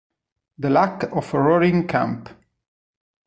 The Luck of Roaring Camp